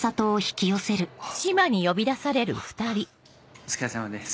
お疲れさまです。